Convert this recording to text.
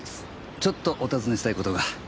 ちょっとお尋ねしたい事が。